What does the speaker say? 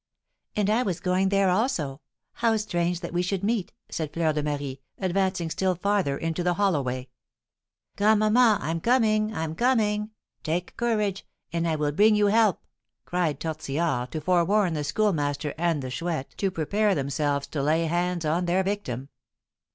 "And I was going there also. How strange that we should meet," said Fleur de Marie, advancing still farther into the hollow way. "Grandmamma, I'm coming, I'm coming! Take courage, and I will bring you help!" cried Tortillard, to forewarn the Schoolmaster and the Chouette to prepare themselves to lay hands on their victim.